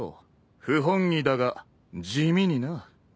不本意だが地味にな。